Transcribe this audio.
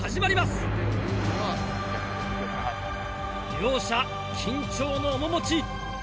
両者緊張の面持ち。